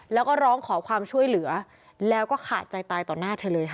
แล้วก็ร้องขอความช่วยเหลือแล้วก็ขาดใจตายต่อหน้าเธอเลยค่ะ